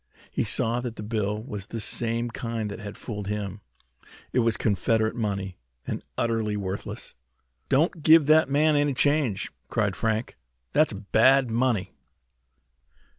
He saw that the bill was the same kind that had fooled him. It was Confederate money, and utterly worthless. "Don't give that man any change!" cried Frank. "That's bad money!"